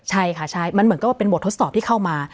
ใช่ค่ะใช่มันเหมือนกับว่าเป็นบททดสอบที่เข้ามา